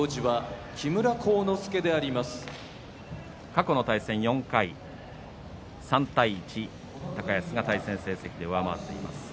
過去の対戦４回３対１高安が対戦成績で上回っています。